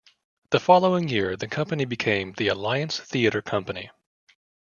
The following year the company became the Alliance Theatre Company.